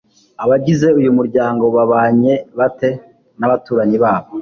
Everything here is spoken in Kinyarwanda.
Abagize uyu muryango babanye bate n abaturanyi babo